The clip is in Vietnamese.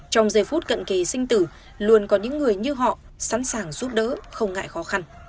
trong giây phút cận kỳ sinh tử luôn có những người như họ sẵn sàng giúp đỡ không ngại khó khăn